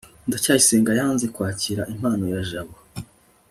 ndacyayisenga yanze kwakira impano ya jabo